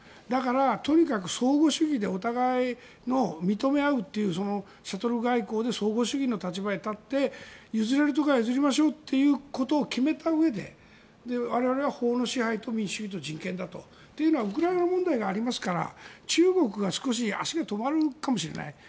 だから、とにかく相互主義でお互いを認め合うというシャトル外交で相互主義の立場に立って譲れるところは譲りましょうということを決めたうえで我々は法の支配と民主主義と人権だと。というのはウクライナ問題がありますから中国が少し足が止まるかもしれない。